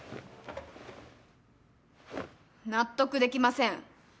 納得できません。